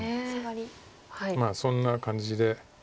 まあそんな感じで。